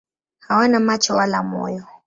Hawana macho wala moyo.